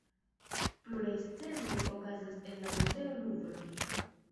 Pluraj scenoj okazas en la muzeo Luvro.